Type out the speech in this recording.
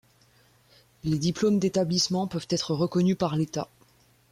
Les diplômes d'établissements peuvent être reconnus par l'État.